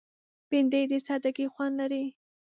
بېنډۍ د سادګۍ خوند لري